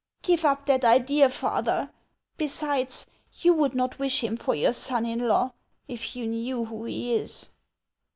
" Give up that idea, father ; besides, you would not wish him for your son in law if you knew who he is."